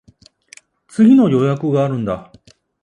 次の予約があるんだ。